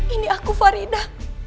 ini aku farida